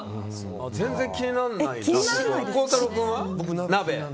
全然気にならないな。